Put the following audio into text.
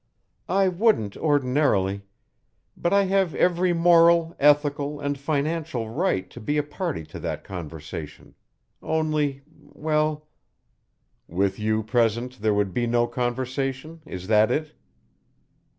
"I wouldn't ordinarily. But I have every moral, ethical, and financial right to be a party to that conversation, only well " "With you present there would be no conversation is that it?"